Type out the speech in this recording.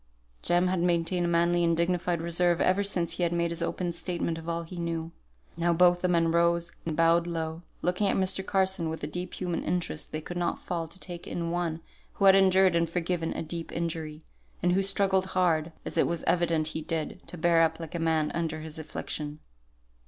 Jem had maintained a manly and dignified reserve ever since he had made his open statement of all he knew. Now both the men rose and bowed low, looking at Mr. Carson with the deep human interest they could not fail to take in one who had endured and forgiven a deep injury; and who struggled hard, as it was evident he did, to bear up like a man under his affliction.